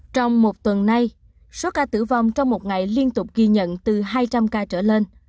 trong một tuần nay số ca tử vong trong một ngày liên tục ghi nhận từ hai trăm linh ca trở lên